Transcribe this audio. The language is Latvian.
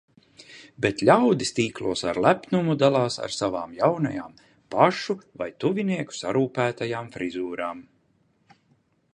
Bet ļaudis tīklos ar lepnumu dalās ar savām jaunajām, pašu vai tuvinieku sarūpētajām frizūrām.